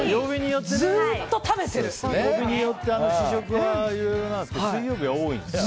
曜日によって試食はいろいろなんですけど水曜日は多いんですよね。